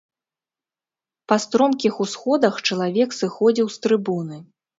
Па стромкіх усходах чалавек сыходзіў з трыбуны.